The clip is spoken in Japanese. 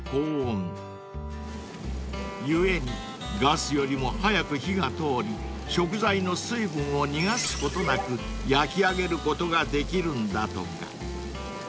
［故にガスよりも早く火が通り食材の水分を逃がすことなく焼き上げることができるんだとか］